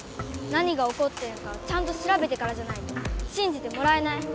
何がおこってるのかをちゃんとしらべてからじゃないとしんじてもらえない！